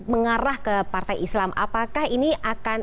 mengarah ke partai islam apakah ini akan